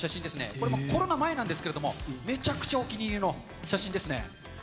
これ、コロナ前なんですけども、めちゃくちゃお気に入りの写真ですね。